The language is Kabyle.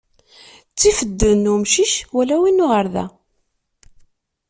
Ttif ddel n wumcic, wala win uɣerda.